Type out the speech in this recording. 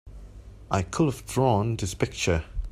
I could have drawn this picture!